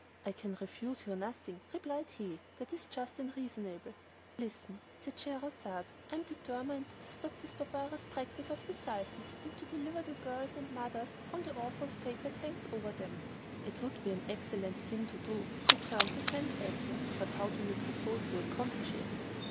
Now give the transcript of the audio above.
"I can refuse you nothing," replied he, "that is just and reasonable." "Then listen," said Scheherazade. "I am determined to stop this barbarous practice of the Sultan's, and to deliver the girls and mothers from the awful fate that hangs over them." "It would be an excellent thing to do," returned the grand vizir, "but how do you propose to accomplish it?"